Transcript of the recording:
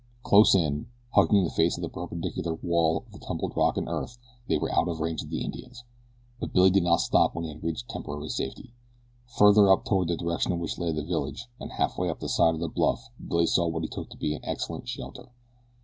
Close in, hugging the face of the perpendicular wall of tumbled rock and earth, they were out of range of the Indians; but Billy did not stop when he had reached temporary safety. Farther up toward the direction in which lay the village, and halfway up the side of the bluff Billy saw what he took to be excellent shelter.